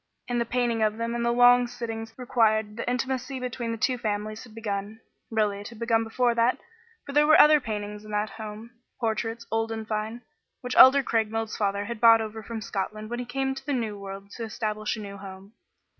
In the painting of them and the long sittings required the intimacy between the two families had begun. Really it had begun before that, for there were other paintings in that home portraits, old and fine, which Elder Craigmile's father had brought over from Scotland when he came to the new world to establish a new home.